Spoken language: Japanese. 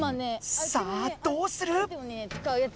さぁどうする？